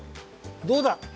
どうだ？